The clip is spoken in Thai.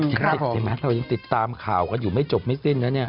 เฮ้ยแม็กซ์เรายังติดตามข่าวก็อยู่ไม่จบไม่สิ้นแล้วเนี่ย